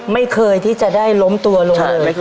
ไม่เคยที่จะได้ล้มตัวลงเลย